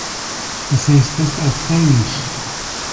Was heißt das auf Polnisch?